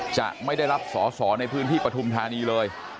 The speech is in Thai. จะไม่ได้รับสอสอในพื้นที่ปฐุมธานีเลย